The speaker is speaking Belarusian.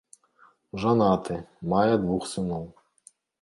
Жанаты, мае двух сыноў.